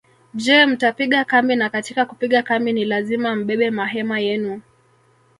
Je mtapiga kambi na katika kupiga kambi ni lazima mbebe mahema yenu